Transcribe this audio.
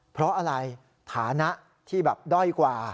เพราะอะไรฐานะที่แบบด้อยกว่า